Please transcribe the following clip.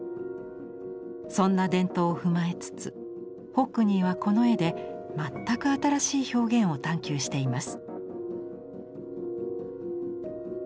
そんな伝統を踏まえつつホックニーはこの絵で全く新しい表現を探求しています。